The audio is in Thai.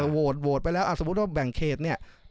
โหวตไปแล้วสมมุติว่าแบ่งเขตเนี่ย